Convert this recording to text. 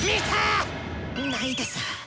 ないです。